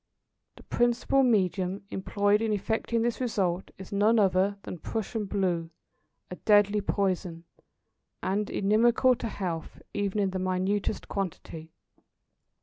The principal medium employed in effecting this result is none other than Prussian blue, a deadly poison, and inimical to health even in the minutest quantity.